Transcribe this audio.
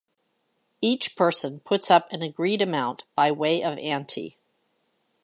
Each person puts up an agreed amount by way of ante.